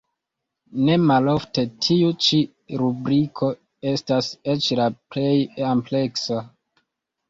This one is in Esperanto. Ne malofte tiu ĉi rubriko estas eĉ la plej ampleksa.